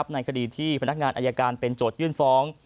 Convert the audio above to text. ในคดีที่พนักงานอายการเป็นโจทยื่นฟ้อง